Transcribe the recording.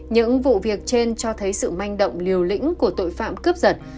những vụ việc trên cho thấy sự manh động liều lĩnh của tội phạm cướp giật